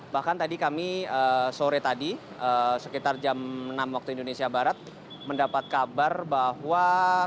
bahkan tadi kami sore tadi sekitar jam enam waktu indonesia barat mendapat kabar bahwa